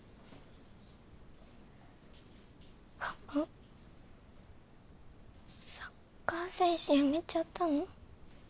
パパサッカー選手辞めちゃったの？